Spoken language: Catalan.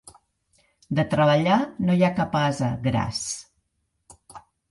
De treballar no hi ha cap ase gras.